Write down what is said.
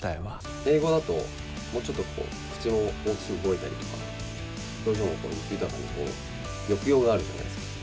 英語だと、もうちょっと口も大きく動いたりとか、表情も豊かに抑揚があるじゃないですか。